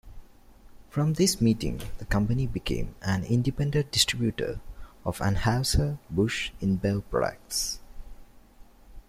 From this meeting the company became an independent distributor of Anheuser-Busch Inbev products.